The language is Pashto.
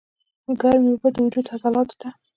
ګرمې اوبۀ د وجود عضلاتو ته